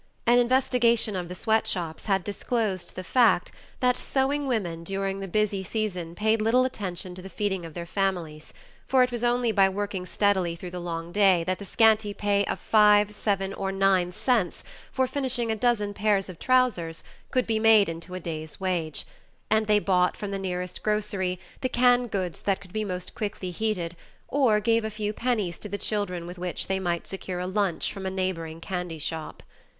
An investigation of the sweatshops had disclosed the fact, that sewing women during the busy season paid little attention to the feeding of their families, for it was only by working steadily through the long day that the scanty pay of five, seven, or nine cents for finishing a dozen pairs of trousers could be made into a day's wage; and they bought from the nearest grocery the canned goods that could be most quickly heated, or gave a few pennies to the children with which they might secure a lunch from a neighboring candy shop.